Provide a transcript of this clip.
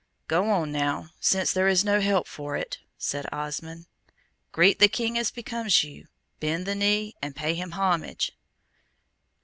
"Go on now, since there is no help for it," said Osmond. "Greet the king as becomes you, bend the knee, and pay him homage."